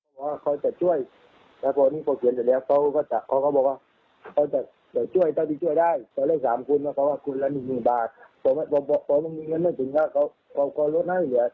แล้วก็บอกเดี๋ยวก็บอกคนของกลางกลับ